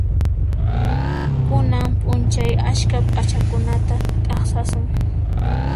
Kunan p'unchay askha p'achakunata t'aqsasun.